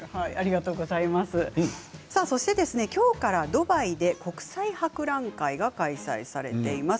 きょうからドバイで国際博覧会が開催されています。